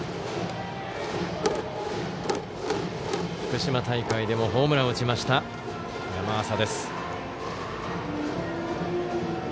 福島大会でもホームランを打ちました、山浅。